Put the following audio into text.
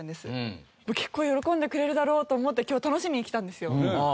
結構喜んでくれるだろうと思って今日楽しみに来たんですよ。